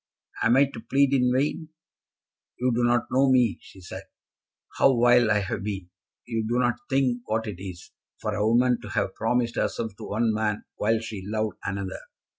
Am I to plead in vain?" "You do not know me," she said; "how vile I have been! You do not think what it is, for a woman to have promised herself to one man while she loved another."